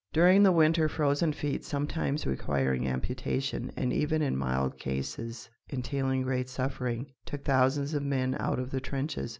During the winter frozen feet, sometimes requiring amputation, and even in mild cases entailing great suffering, took thousands of men out of the trenches.